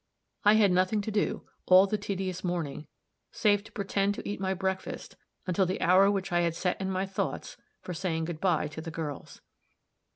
I had nothing to do, all the tedious morning, save to pretend to eat my breakfast, until the hour which I had set in my thoughts for saying good by to the girls.